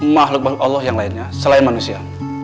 makhluk makhluk allah yang lainnya selain manusia